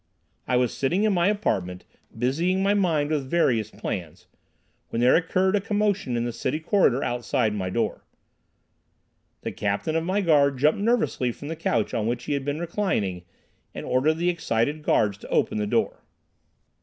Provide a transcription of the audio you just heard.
I was sitting in my apartment busying my mind with various plans, when there occurred a commotion in the city corridor outside my door. The captain of my guard jumped nervously from the couch on which he had been reclining, and ordered the excited guards to open the door.